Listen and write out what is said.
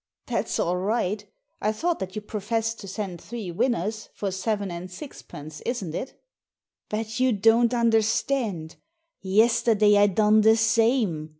" That's all right I thought that you professed to send three winners, for seven and sixpence, isn't it ?" "But you don't understand. Yesterday I done the same.